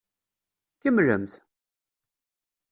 Kemmlemt!